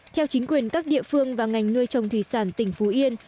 theo chính quyền các địa phương và ngành nuôi trồng thủy sản tỉnh phú yên